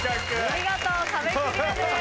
見事壁クリアです。